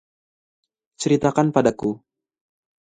Ceritakan padaku.